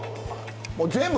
もう全部？